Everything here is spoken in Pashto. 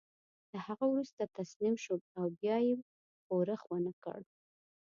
له هغه وروسته تسلیم شول او بیا یې ښورښ ونه کړ.